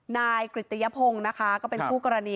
นายกริตยพงศ์นะคะก็เป็นคู่กรณี